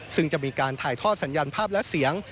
ซึ่งจะมีการถ่ายทอดสัญญาณภาพและเสียง